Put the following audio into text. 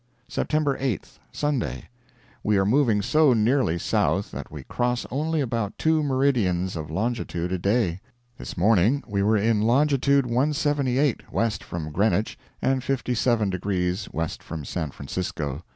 Sept. 8. Sunday. We are moving so nearly south that we cross only about two meridians of longitude a day. This morning we were in longitude 178 west from Greenwich, and 57 degrees west from San Francisco.